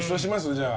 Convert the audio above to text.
じゃあ。